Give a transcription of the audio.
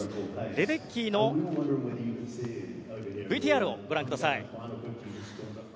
レデッキーのＶＴＲをご覧ください。